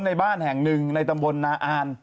ในบ้านแห่งหนึ่งในตำบลนาอ่าน